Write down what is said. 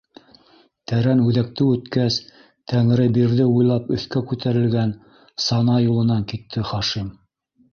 Тәрән үҙәкте үткәс, Тәңребирҙе буйлап өҫкә күтәрелгән сана юлынан китте Хашим.